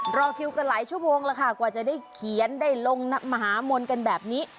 รอคิวกันหลายชั่วโมงแล้วค่ะกว่าจะได้เขียนได้ลงมหามนต์กันแบบนี้